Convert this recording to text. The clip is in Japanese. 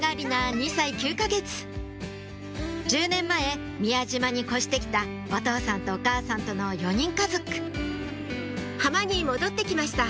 ２歳９か月１０年前宮島に越して来たお父さんとお母さんとの４人家族浜に戻って来ました